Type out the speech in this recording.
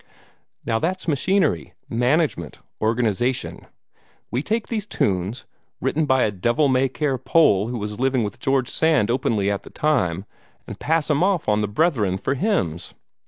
Now that's machinery, management, organization. We take these tunes, written by a devil may care Pole who was living with George Sand openly at the time, and pass 'em off on the brethren for hymns.